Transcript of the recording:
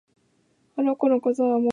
あの子のことはもう知らないわ